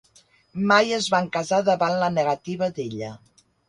Mai es van casar davant la negativa d'ella.